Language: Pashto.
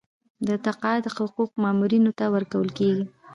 د تقاعد حقوق مامورینو ته ورکول کیږي